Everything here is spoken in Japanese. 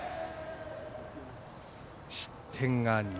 失点が２。